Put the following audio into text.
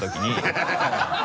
ハハハ